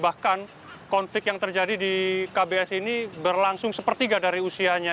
bahkan konflik yang terjadi di kbs ini berlangsung sepertiga dari usianya